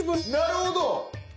なるほど。